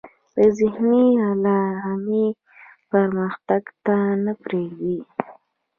ذهني غلامي پرمختګ ته نه پریږدي.